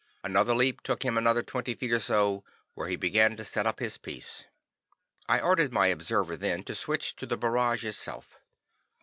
Another leap took him another twenty feet or so, where he began to set up his piece. I ordered my observer then to switch to the barrage itself.